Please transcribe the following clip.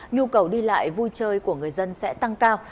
nhu cầu đi lại vui chơi của người dân sẽ tăng cao